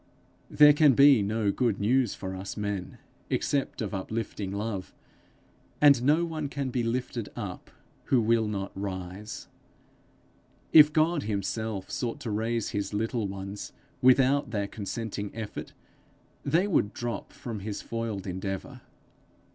There can be no good news for us men, except of uplifting love, and no one can be lifted up who will not rise. If God himself sought to raise his little ones without their consenting effort, they would drop from his foiled endeavour.